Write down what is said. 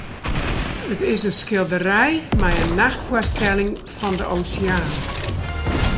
It is in skilderij mei in nachtfoarstelling fan de oseaan.